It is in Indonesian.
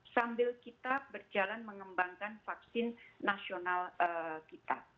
sambil kita berjalan mengembangkan vaksin nasional kita